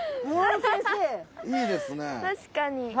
確かに。